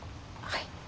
はい。